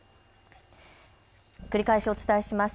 繰り返しお伝えします。